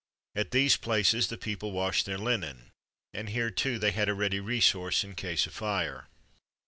At these places the people washed their linen, and here, too, they had a ready resource in case of fire.